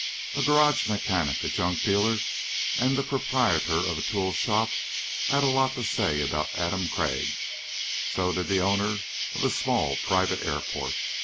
A garage mechanic, a junk dealer and the proprietor of a tool shop had a lot to say about Adam Crag. So did the owner of a small private airport.